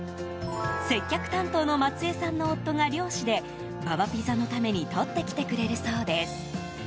接客担当の松江さんの夫が漁師でＢａＢａピザのためにとってきてくれるそうです。